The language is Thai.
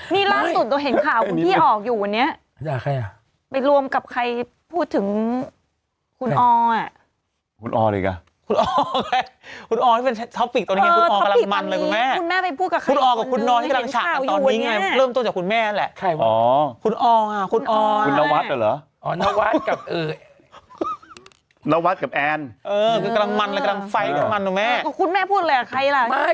นี่ล่างสุดตัวเห็นข่าวคุณพี่ออกอยู่วันนี้